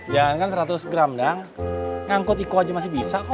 jangan kan seratus gram dong ngangkut iku aja masih bisa kok